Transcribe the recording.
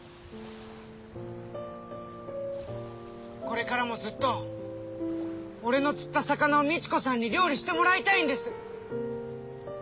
これからもずっと俺の釣った魚をみち子さんに料理してもらいたいんです。